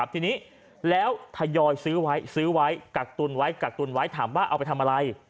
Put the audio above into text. ทีนี้แล้วทยอยซื้อไว้ซื้อไว้กักตุนไว้กักตุนไว้ถามว่าเอาไปทำอะไร